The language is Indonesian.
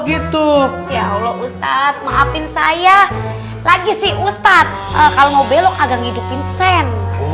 gitu ya allah ustadz maafin saya lagi sih ustadz kalau mau belok agak ngidupin sen